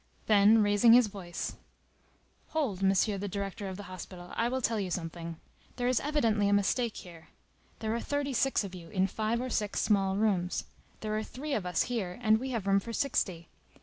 Then, raising his voice:— "Hold, Monsieur the director of the hospital, I will tell you something. There is evidently a mistake here. There are thirty six of you, in five or six small rooms. There are three of us here, and we have room for sixty.